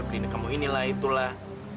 beli nekemu ini lah itulah